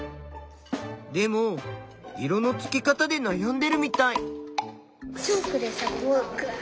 でも色のつけ方でなやんでるみたい。